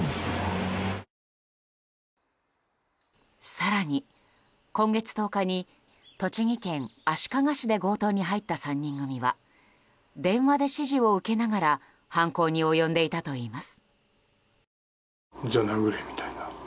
更に、今月１０日に栃木県足利市で強盗に入った３人組は電話で指示を受けながら犯行に及んでいたといいます。